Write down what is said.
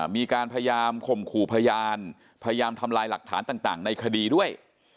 มีการพยายามข่มขู่พยานพยายามทำลายหลักฐานต่างในคดีด้วย